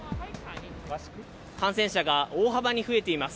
感染者が大幅に増えています。